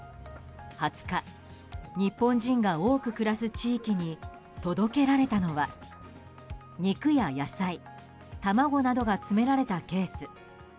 ２０日日本人が多く暮らす地域に届けられたのは肉や野菜、卵などが詰められたケース。